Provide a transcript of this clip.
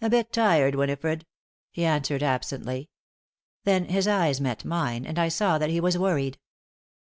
"A bit tired, Winifred," he answered, absently. Then his eyes met mine, and I saw that he was worried.